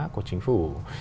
của chính phủ